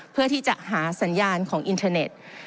เพื่อที่จะหาสัญญาณของอินเทอร์เน็ต